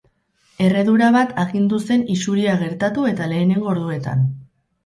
Erredura bat agindu zen isuria gertatu eta lehenengo orduetan.